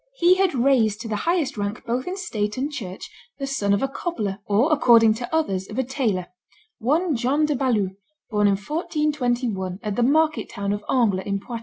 He had raised to the highest rank both in state and church the son of a cobbler, or, according to others, of a tailor, one John de Balue, born in 1421, at the market town of Angles, in Poitou.